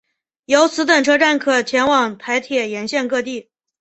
由此等车站可前往台铁沿线各地。